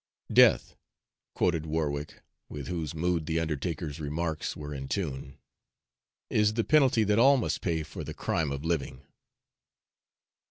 "'Death,'" quoted Warwick, with whose mood the undertaker's remarks were in tune, "'is the penalty that all must pay for the crime of living.'"